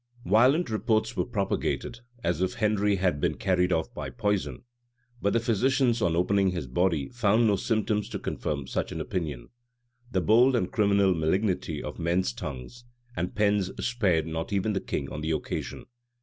Violent reports were propagated, as if Henry had been carried off by poison; but the physicians, on opening his body, found no symptoms to confirm such an opinion.[*] The bold and criminal malignity of men's tongues and pens spared not even the king on the occasion.